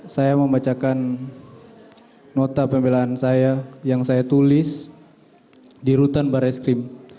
saya membacakan nota pembelaan saya yang saya tulis di rutan barai skrim